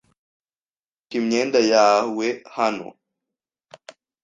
Manika imyenda yawe hano.